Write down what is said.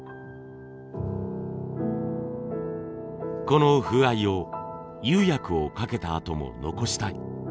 この風合いを釉薬をかけたあとも残したい。